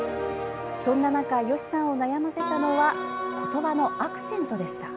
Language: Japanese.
そんな中、吉さんを悩ませたのは言葉のアクセントでした。